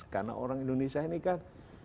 karena orang indonesia ini kan